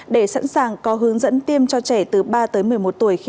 để sẵn sàng có hướng dẫn tiêm cho trẻ từ ba tới một mươi một tuổi